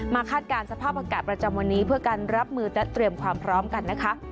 คาดการณ์สภาพอากาศประจำวันนี้เพื่อการรับมือและเตรียมความพร้อมกันนะคะ